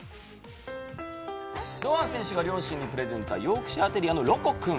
堂安選手が両親にプレゼントした、ヨークシャーテリアのロコくん。